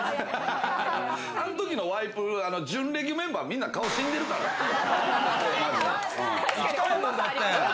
あのときのワイプ、準レギュメンバー、みんな顔死んでるからね。